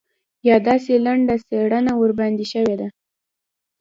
یا داسې لنډه څېړنه ورباندې شوې ده.